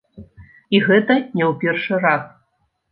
І гэта не ў першы раз.